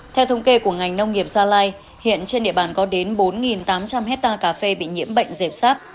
theo thống kê của ngành nông nghiệp gia lai hiện trên địa bàn có đến bốn tám trăm linh hectare cà phê bị nhiễm bệnh dẹp sát